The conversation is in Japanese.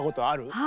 はい。